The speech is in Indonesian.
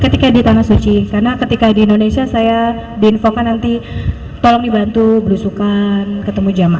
ketika di tanah suci karena ketika di indonesia saya diinfokan nanti tolong dibantu berusukan ketemu jamaah